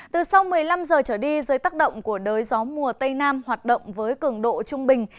từ sau một mươi năm giờ trở đi dưới tác động của đới gió mùa tây nam hoạt động với cường độ trung bình